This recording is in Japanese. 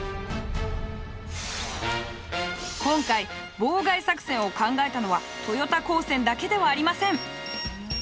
今回妨害作戦を考えたのは豊田高専だけではありません。